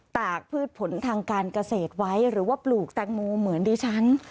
ตากพืชผลทางการเกษตรไว้หรือว่าปลูกแตงโมเหมือนดิฉัน